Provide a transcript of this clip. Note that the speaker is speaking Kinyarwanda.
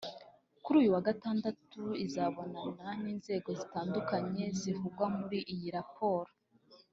kuri uyu wa Gatandatu izabonana n’inzego zitandukanye zivugwa muri iyi raporo